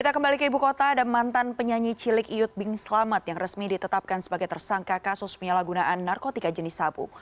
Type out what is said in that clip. kita kembali ke ibu kota ada mantan penyanyi cilik iyut bing selamat yang resmi ditetapkan sebagai tersangka kasus penyalahgunaan narkotika jenis sabu